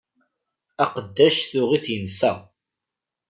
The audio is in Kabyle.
Aqeddac tuɣ-it insa.